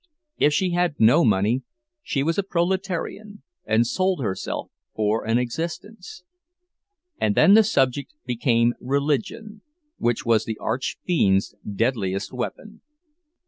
If she had no money, she was a proletarian, and sold herself for an existence. And then the subject became Religion, which was the Archfiend's deadliest weapon.